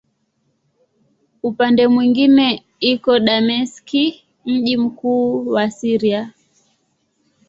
Upande mwingine iko Dameski, mji mkuu wa Syria.